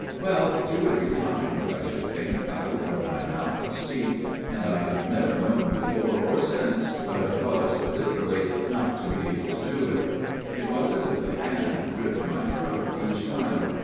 Well, two or three times, I should think, I opened my mouth to speak, and I have never known before or since what it was, literally, not o be able to do it. It was as if a hand gripped y throat each time.